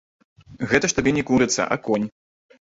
Гэта ж табе не курыца, а конь.